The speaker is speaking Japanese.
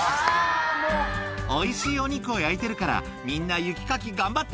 「おいしいお肉を焼いてるからみんな雪かき頑張って」